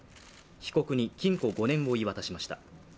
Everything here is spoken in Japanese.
被告に禁錮５年を言い渡しました。